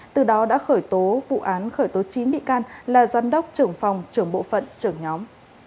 từ đó đã khởi tố vụ án khởi tố chín bị can là giám đốc trưởng phòng trưởng bộ phận trưởng nhóm